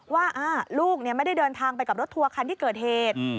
ว่าลูกไม่ได้เดินทางไปกับรถทัวร์คันที่เกิดเหตุ